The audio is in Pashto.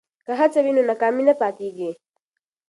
که هڅه وي نو ناکامي نه پاتیږي.